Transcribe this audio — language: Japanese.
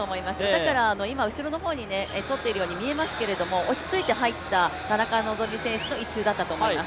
だから今、後ろの方にとっているように見えますけれども、落ち着いて入った田中希実選手の１周だったと思います。